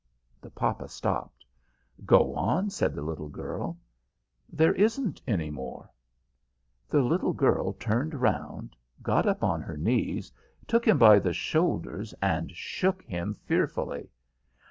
The papa stopped. "Go on," said the little girl. "There isn't any more." The little girl turned round, got up on her knees, took him by the shoulders, and shook him fearfully.